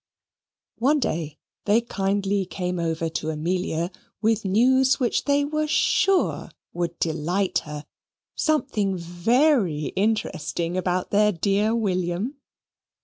One day they kindly came over to Amelia with news which they were SURE would delight her something VERY interesting about their dear William.